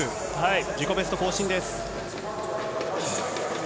自己ベスト更新です。